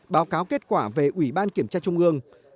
báo cáo kết quả về ủy ban kiểm tra trung ương